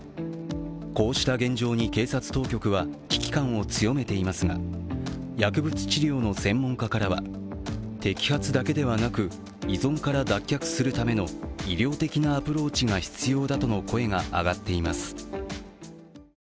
こうした現状に警察当局は危機感を強めていますが薬物治療の専門家からは、摘発だけではなく依存から脱却するための医療的なアプローチが必要だとの声が上がっています。